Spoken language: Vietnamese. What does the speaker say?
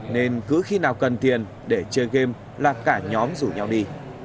nên cứ khi nào cần tiền để chơi game là cả nhóm rủ nhau đi